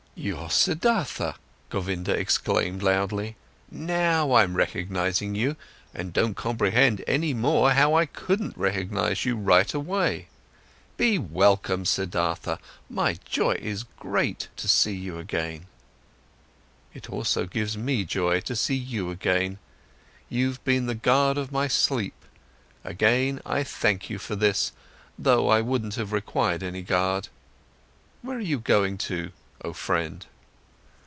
"You're Siddhartha," Govinda exclaimed loudly. "Now, I'm recognising you, and don't comprehend any more how I couldn't recognise you right away. Be welcome, Siddhartha, my joy is great, to see you again." "It also gives me joy, to see you again. You've been the guard of my sleep, again I thank you for this, though I wouldn't have required any guard. Where are you going to, oh friend?"